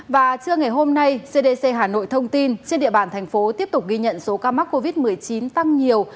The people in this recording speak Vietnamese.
và trưa ngày hôm nay cdc hà nội thông tin trên địa bàn thành phố tiếp tục ghi nhận số ca mắc covid một mươi chín tăng nhiều